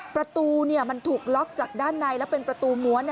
ประตูมันถูกล็อกจากด้านในแล้วเป็นประตูม้วน